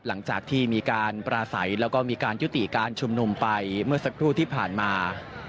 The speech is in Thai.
หลังจากที่มีการปราศัยแล้วก็มีการยุติการชุมนุมไปเมื่อสักครู่ที่ผ่านมา